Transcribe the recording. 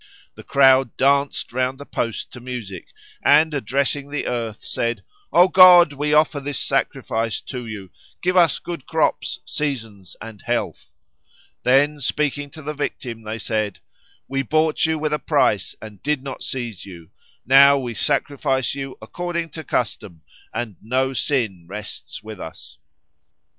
The crowd danced round the post to music, and addressing the earth, said, "O God, we offer this sacrifice to you; give us good crops, seasons, and health"; then speaking to the victim they said, "We bought you with a price, and did not seize you; now we sacrifice you according to custom, and no sin rests with us."